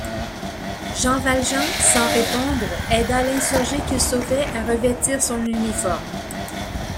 Jean Valjean, sans répondre, aida l’insurgé qu’il sauvait à revêtir son uniforme.